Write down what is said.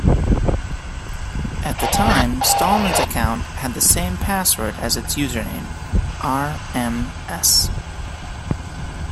At the time, Stallman's account had the same password as its username: "rms".